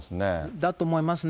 だと思いますね。